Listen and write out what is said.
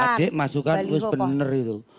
kalau adik masukkan harus benar itu